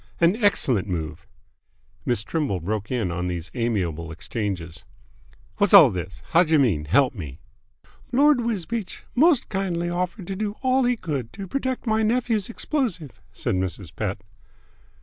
"An excellent move." Miss Trimble broke in on these amiable exchanges. "Whassall this? Howjer mean help me?" "Lord Wisbeach most kindly offered to do all he could to protect my nephew's explosive," said Mrs. Pett.